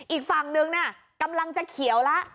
อีกฝั่งนึงน่ะกำลังจะเขียวแล้ว